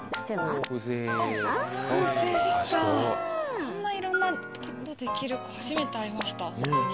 こんないろんなことできる子初めて会いましたホントに。